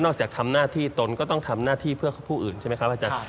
จากทำหน้าที่ตนก็ต้องทำหน้าที่เพื่อผู้อื่นใช่ไหมครับอาจารย์